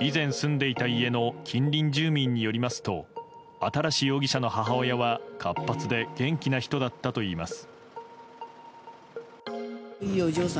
以前住んでいた家の近隣住民によりますと新容疑者の母親は活発で元気な人だったといいます。